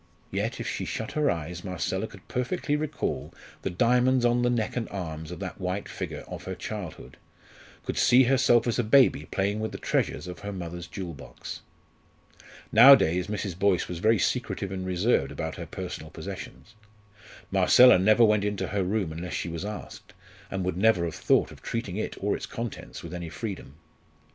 Yet, if she shut her eyes, Marcella could perfectly recall the diamonds on the neck and arms of that white figure of her childhood could see herself as a baby playing with the treasures of her mother's jewel box. Nowadays, Mrs. Boyce was very secretive and reserved about her personal possessions. Marcella never went into her room unless she was asked, and would never have thought of treating it or its contents with any freedom.